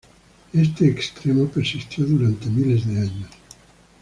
Este extremo persistió durante miles de años.